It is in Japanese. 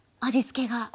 味付けが。